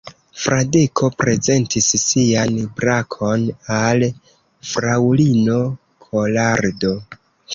Fradeko prezentis sian brakon al fraŭlino Kolardo.